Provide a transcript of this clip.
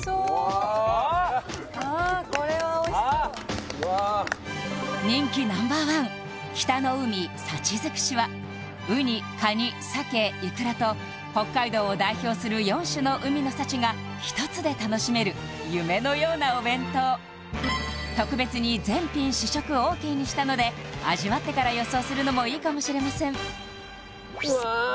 ああこれはおいしそう人気Ｎｏ．１北の海幸づくしはうにカニ鮭いくらと北海道を代表する４種の海の幸が１つで楽しめる夢のようなお弁当特別に全品試食ＯＫにしたので味わってから予想するのもいいかもしれません・